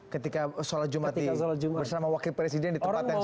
ketika sholat jumat bersama wakil presiden di tempat yang sama